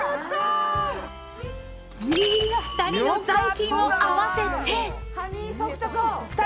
２人の残金を合わせて。